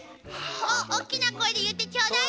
大きな声で言ってちょうだい。